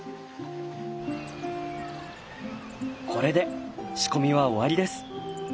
これで仕込みは終わりです。